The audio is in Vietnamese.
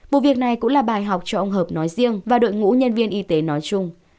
vụ việc này cũng là bài học cho ông hợp nói riêng và đội ngũ nhân viên y tế nói chung